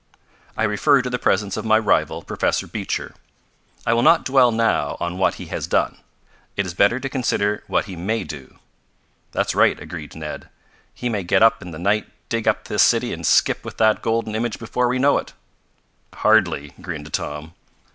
"I refer to the presence of my rival, Professor Beecher. I will not dwell now on what he has done. It is better to consider what he may do." "That's right," agreed Ned. "He may get up in the night, dig up this city and skip with that golden image before we know it." "Hardly," grinned Tom.